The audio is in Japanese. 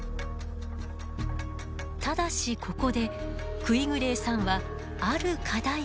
ただしここでクィグレーさんはある課題を重要視しました。